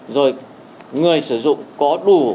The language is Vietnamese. rồi người sử dụng có đủ